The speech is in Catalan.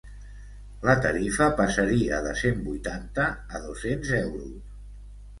La tarifa passaria de cent vuitanta a dos-cents euros.